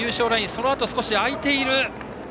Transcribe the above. そのあと、少し開いている。